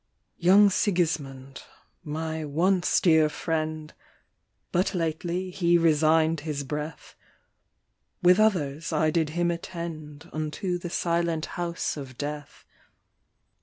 11 Young Sigisuiund, my once dear friend. But lately he resign'd his breath; With others I did hi no attend Unto the silent house of death.